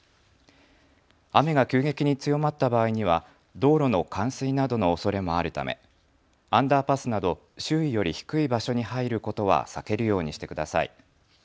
雨が急激に強まった場合には道路の冠水などのおそれもあるため、アンダーパスなど周囲より低い場所に入ることは避けるようにしてください。